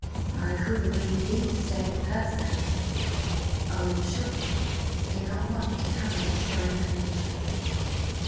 "I couldn't leave ye to stay with her, sir." "Are you sure? I do not want you to come against your inclinations."